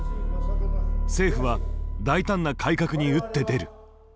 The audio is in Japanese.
政府は大胆な改革に打って出る。